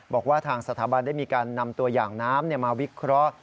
บอกว่าทางสถาบันได้มีการนำตัวอย่างน้ำมาวิเคราะห์